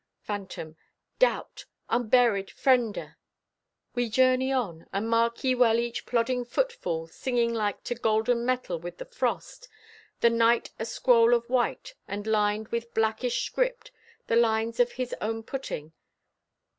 Phantom: Doubt! Unburied, friende! We journey on, And mark ye well each plodding footfall Singing like to golden metal with the frost. The night a scroll of white, and lined With blackish script— The lines of His own putting!